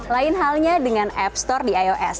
lain halnya dengan app store di ios